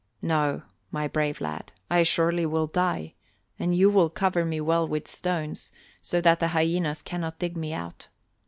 "No, my brave lad, I surely will die and you will cover me well with stones, so that the hyenas cannot dig me out.